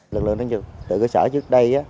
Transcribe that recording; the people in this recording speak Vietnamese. lực lượng trật tự cơ sở trước đây